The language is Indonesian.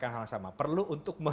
kita yang baru tiga